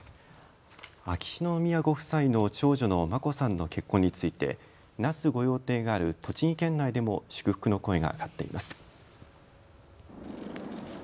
秋篠宮ご夫妻の長女の眞子さんの結婚について那須御用邸がある栃木県内でも祝福の声が上がっています。